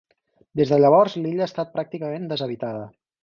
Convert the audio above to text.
Des de llavors l'illa ha estat pràcticament deshabitada.